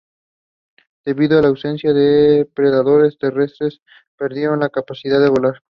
Debido a la ausencia de predadores terrestres, perdieron la capacidad de volar.